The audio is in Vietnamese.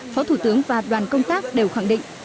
phó thủ tướng và đoàn công tác đều khẳng định